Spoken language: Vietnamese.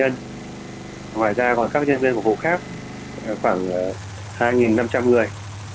ngoài ra còn các nhân viên của phố khác khoảng hai năm trăm linh người